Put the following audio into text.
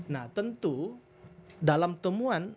nah tentu dalam temuan